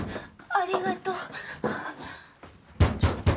ありがとう。